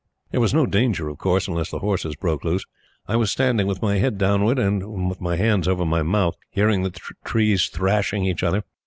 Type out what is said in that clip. There was no danger, of course, unless the horses broke loose. I was standing with my head downward and my hands over my mouth, hearing the trees thrashing each other.